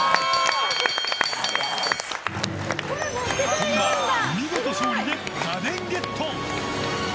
本間、見事勝利で家電ゲット！